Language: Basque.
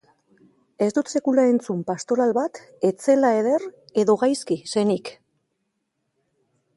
Ez dut sekula entzun pastoral bat ez zela eder edo gaizki zenik.